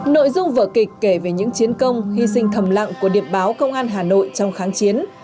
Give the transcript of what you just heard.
nội dung vở kịch kể về những chiến công hy sinh thầm lặng của điệp báo công an hà nội trong kháng chiến